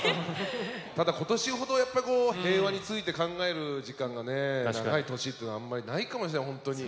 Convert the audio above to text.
ただ今年ほどやっぱりこう平和について考える時間がね長い年っていうのはあんまりないかもしれないほんとに。